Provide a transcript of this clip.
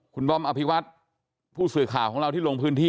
คุณบอมอภิวัตผู้สื่อข่าวของเราที่ลงพื้นที่